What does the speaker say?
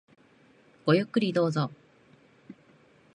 ごゆっくりどうぞ。